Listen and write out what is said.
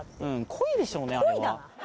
鯉でしょうねあれは。